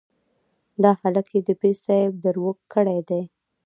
دا هلک يې د پير صاحب دروږ کړی دی.